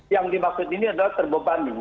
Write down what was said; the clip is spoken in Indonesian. yang dimaksud ini adalah terbebani